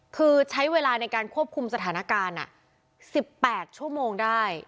คือใช้เวลาในการควบคุมสถานการณ์๑๘ชั่วโมงได้